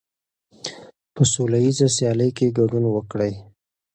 په سوله ییزه سیالۍ کې ګډون وکړئ.